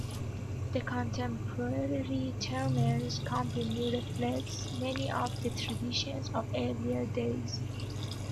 The contemporary Turners' Company reflects many of the traditions of earlier days.